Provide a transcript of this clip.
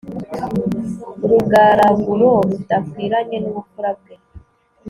urugaraguro rudakwiranye n'ubupfura bwe